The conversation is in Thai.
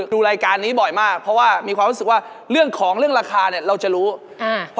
แม่ตั๊กส่วนใหญ่สามีเขาจะโดนพี่หนุ้ย